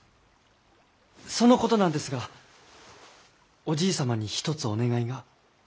そのことなんですがおじい様に一つお願いが。